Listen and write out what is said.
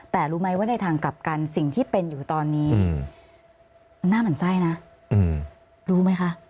แต่รู้ไหมว่าในทางกลับกันสิ่งที่เป็นอยู่ตอนนี้มันหน้าหมั่นไส้นะรู้ไหมคะ